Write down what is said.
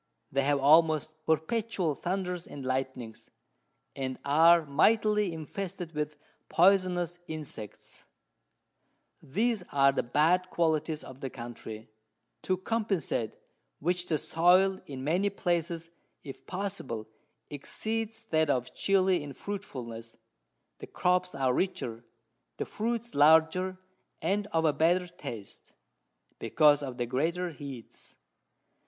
They have almost perpetual Thunders and Lightnings, and are mightily infested with poisonous Insects: These are the bad Qualities of the Country, to compensate which, the Soil, in many places, if possible, exceeds that of Chili in Fruitfulness; the Crops are richer, the Fruits larger, and of a better Taste, because of the greater Heats.